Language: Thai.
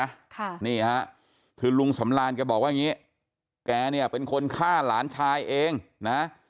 ค่ะนี่ฮะคือลุงสำรานแกบอกว่าอย่างงี้แกเนี่ยเป็นคนฆ่าหลานชายเองนะ